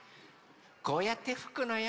こうやってふくのよ。